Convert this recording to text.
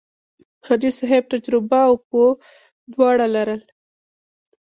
حاجي صاحب تجربه او پوه دواړه لرل.